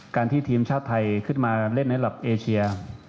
การที่ทีมชาติไทยขึ้นมาเล่นในระดับเอเชีย